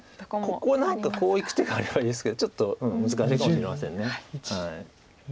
ここ何かこういく手があればいいですけどちょっと難しいかもしれません。